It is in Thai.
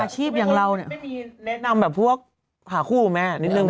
อาชีพอย่างเราเนี่ยไม่มีแนะนำแบบพวกหาคู่ไหมนิดนึงไหม